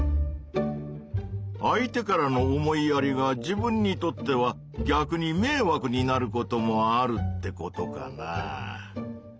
相手からの思いやりが自分にとっては逆にめいわくになることもあるってことかなぁ。